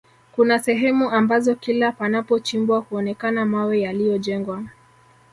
Kuna sehemu ambazo kila panapochimbwa huonekana mawe yaliyojengwa